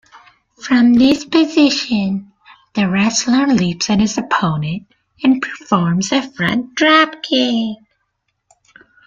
From this position the wrestler leaps at his opponent and performs a front dropkick.